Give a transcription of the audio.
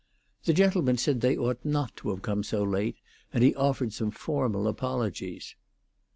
The gentleman said they ought not to have come so late, and he offered some formal apologies.